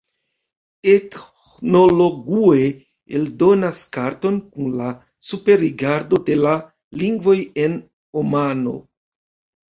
Ethnologue eldonas karton kun la superrigardo de la lingvoj en Omano.